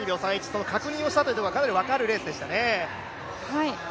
その確認をしたというのがかなり分かるレースでしたね。